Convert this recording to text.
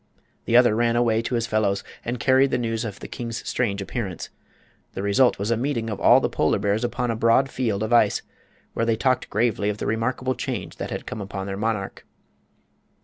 The other ran away to his fellows and carried the news of the king's strange appearance. The result was a meeting of all the polar bears upon a broad field of ice, where they talked gravely of the remarkable change that had come upon their monarch.